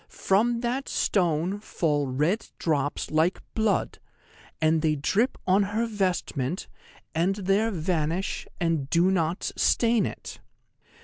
From that stone fall red drops like blood, and they drip on her vestment, and there vanish, and do not stain it.